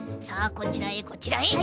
こちらへこちらへ。